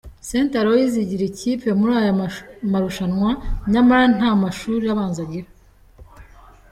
St Aloys igira ikipe muri aya marushanwa nyamara nta mashuli abanza bagira.